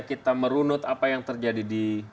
kita merunut apa yang terjadi di